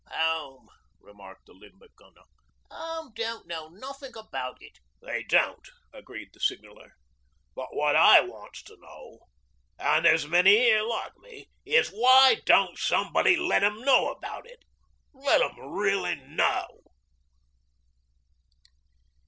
Ar r rh!!' ''Ome,' remarked the Limber Gunner. ''Ome don't know nuthin' about it.' 'They don't,' agreed the Signaller. 'But what I wants to know an' there's a many 'ere like me is why don't somebody let 'em know about it; let 'em really know.'